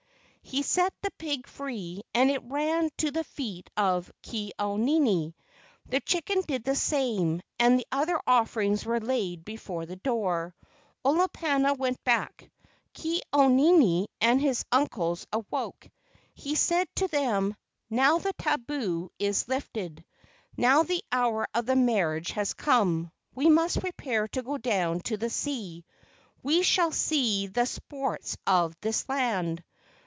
He set the pig free and it ran to the feet of Ke au nini. The chicken did the same, and the other offerings were laid before the door. Olo pana went back. Ke au nini and his uncles awoke. He said to them: "Now the tabu is lifted. Now the hour of the marriage has come. We must prepare to go down to the sea. We shall see the sports of this land.